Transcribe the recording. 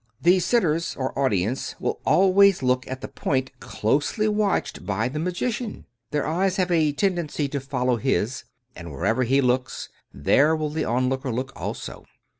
The sitters or audience will always look at the point closely watched by the magi cian — ^their eyes have a tendency to follow his, and wher ever he looks, there will the onlooker look also.